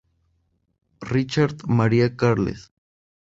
Ricard Maria Carles.